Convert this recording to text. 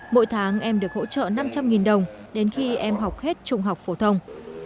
mỗi tháng em được hỗ trợ năm trăm linh đồng đến khi em học hết trung học phổ thông